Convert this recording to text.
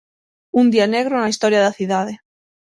Un día negro na historia da cidade.